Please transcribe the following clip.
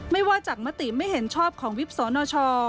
ไม่ว่าจากมติไม่เห็นชอบของวิบสนช